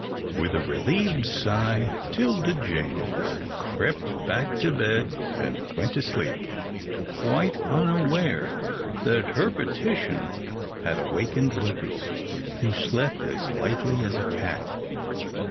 With a relieved sigh, 'Tilda Jane crept back to bed and went to sleep, quite unaware that her petition had awakened Lucas, who slept as lightly as a cat.